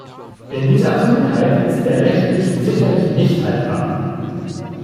In dieser Absolutheit ist er rechtlich sicherlich nicht haltbar.